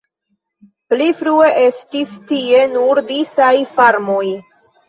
Pli frue estis tie nur disaj farmoj.